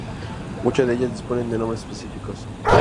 Muchas de ellas disponen de nombres específicos.